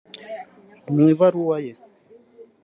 Mu ibaruwa ye